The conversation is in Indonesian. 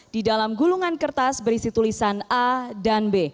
di dalam gulungan kertas berisi tulisan a dan b